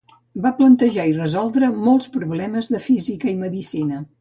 Va plantejar i resoldre molts problemes de física i medicina.